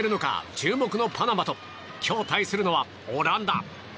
注目のパナマと今日対するのはオランダ。